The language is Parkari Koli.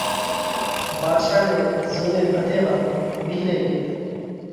ڀاڌشا نئہ زُوني ٻڌي واتون وِيهري ڳي تي۔